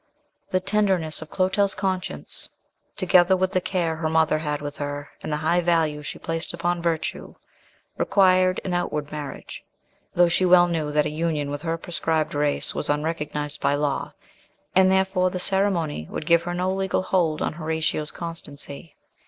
The tenderness of Clotel's conscience, together with the care her mother had with her and the high value she placed upon virtue, required an outward marriage; though she well knew that a union with her proscribed race was unrecognised by law, and therefore the ceremony would give her no legal hold on Horatio's constancy.